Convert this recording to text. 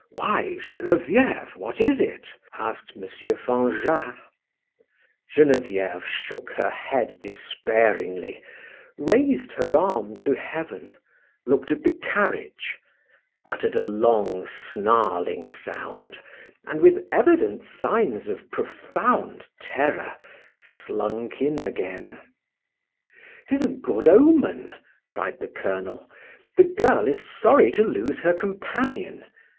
"Why, Genevieve, what is it?" asked M. Fanjat. Genevieve shook her head despairingly, raised her arm to heaven, looked at the carriage, uttered a long snarling sound, and with evident signs of profound terror, slunk in again. "'Tis a good omen," cried the colonel. "The girl is sorry to lose her companion.